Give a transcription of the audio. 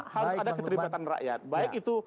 harus ada keterlibatan rakyat baik itu